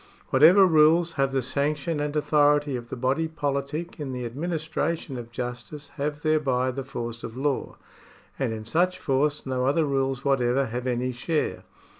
Whatever rules have the sanction and authority of the body politic in the administra tion of justice have thereby the force of law ; and in such force no other rules whatever have any share.